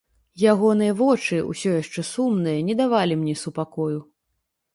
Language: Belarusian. Ягоныя вочы, усё яшчэ сумныя, не давалі мне супакою.